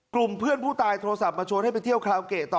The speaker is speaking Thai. กลุ่มเพื่อนผู้ตายโทรศัพท์มาชวนให้ไปเที่ยวคาราโอเกะต่อ